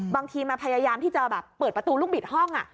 บางทีมาพยายามที่จะแบบเปิดประตูลูกบิดห้อง